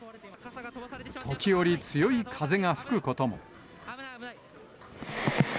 時折、強い風が吹くことも。